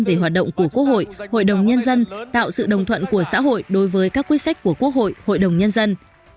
về hoạt động của quốc hội hội đồng nhân dân tạo sự đồng thuận của xã hội đối với các quyết sách của quốc hội hội đồng nhân dân